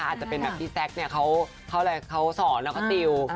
อาจจะเป็นแบบพี่แซ็คเขาสอนแล้วก็ติว